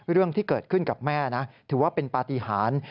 เรื่องที่เกิดขึ้นกับแม่นะถือว่าเป็นปฏิหาร